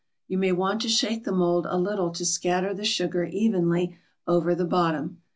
You may want to shake the mould a little to scatter the sugar evenly over the bottom.